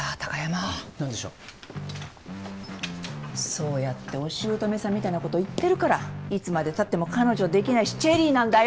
そうやっておしゅうとめさんみたいなこと言ってるからいつまでたっても彼女出来ないしチェリーなんだよ？